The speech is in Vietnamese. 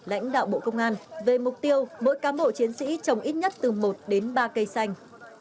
lãnh đạo bộ công an về mục tiêu mỗi cám bộ chiến sĩ trồng ít nhất từ một đến ba cây xanh